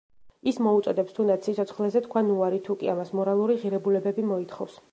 ის მოუწოდებს თუნდაც სიცოცხლეზე თქვან უარი თუ კი ამას მორალური ღირებულებები მოითხოვს.